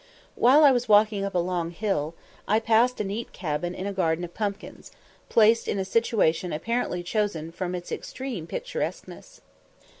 While I was walking up a long hill, I passed a neat cabin in a garden of pumpkins, placed in a situation apparently chosen from its extreme picturesqueness.